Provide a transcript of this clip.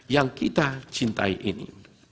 yang kita cintai ini